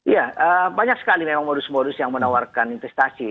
ya banyak sekali memang modus modus yang menawarkan investasi